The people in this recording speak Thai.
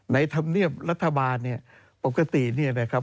ธรรมเนียบรัฐบาลเนี่ยปกติเนี่ยนะครับ